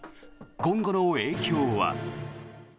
今後の影響は。